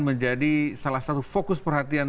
menjadi salah satu fokus perhatian